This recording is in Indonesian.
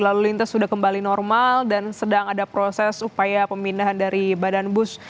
lalu lintas sudah kembali normal dan sedang ada proses upaya pemindahan dari badan bus